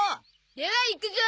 ではいくぞ！